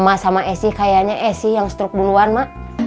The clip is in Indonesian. ma sama es ini kayaknya es sih yang stroke sih duluan ma